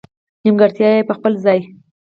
نېمګړتیا یې په خپل ځای.